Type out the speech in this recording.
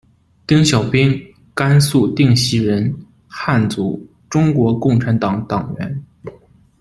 丁小兵，甘肃定西人，汉族，中国共产党党员。